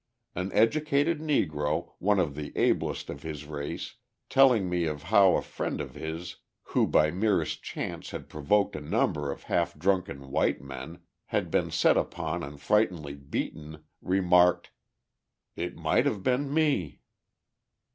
An educated Negro, one of the ablest of his race, telling me of how a friend of his who by merest chance had provoked a number of half drunken white men, had been set upon and frightfully beaten, remarked: "It might have been me!"